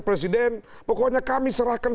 presiden pokoknya kami serahkan